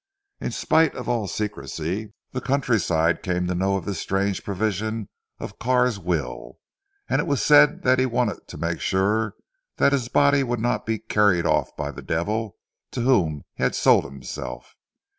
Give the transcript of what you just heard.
In spite of all secrecy, the countryside came to know of this strange provision of Carr's will, and it was said that he wanted to make sure that his body would not be carried off by the devil to whom he had sold himself.